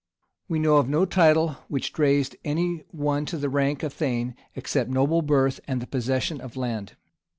[*] We know of no title which raised any one to the rank of thane, except noble birth and the possession of land.